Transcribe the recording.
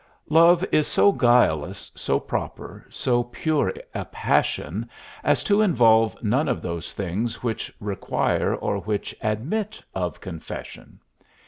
Love is so guileless, so proper, so pure a passion as to involve none of those things which require or which admit of confession.